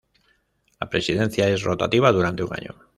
La presidencia es rotativa durante un año.